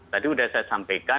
tadi sudah saya sampaikan